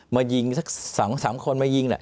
มายิงสัก๓คน